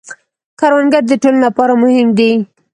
کروندګر د ټولنې لپاره مهم دی